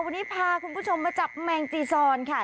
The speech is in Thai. วันนี้พาคุณผู้ชมมาจับแมงจีซอนค่ะ